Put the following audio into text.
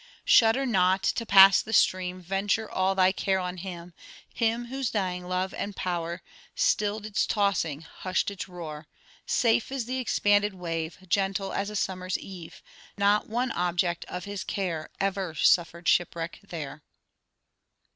'Shudder not to pass the stream; Venture all thy care on him; Him whose dying love and power Stilled its tossing, hushed its roar. Safe is the expanded wave, Gentle as a summer's eve; Not one object of his care Ever suffered shipwreck there.'"